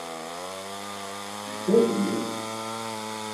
Teǧǧa-iyi.